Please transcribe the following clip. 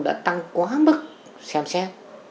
đã tăng quá mức xem xét